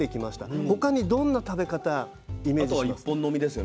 他にどんな食べ方イメージします？